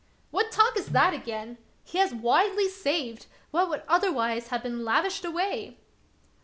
" What talk is that again ! He has wisely saved what would otherwise have been lavished away."